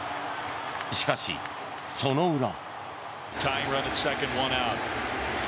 しかし、その裏。